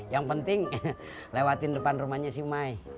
yang penting lewatin depan rumahnya si umai